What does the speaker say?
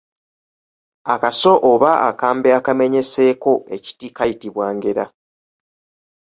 Akaso oba akambe akamenyeseeko ekiti kayitibwa ngera.